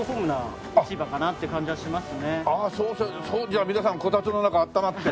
じゃあ皆さんこたつの中暖まって。